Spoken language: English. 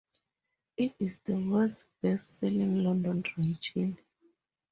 It is the world's best selling London Dry gin.